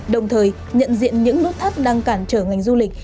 đồng thời nhận diện những nút thắt đang cản trở ngành du lịch